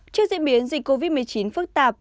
trước diễn biến dịch covid một mươi chín phức tạp